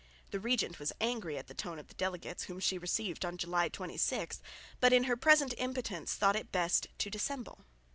The regent was angry at the tone of the delegates, whom she received on July 26, but in her present impotence thought it best to dissemble.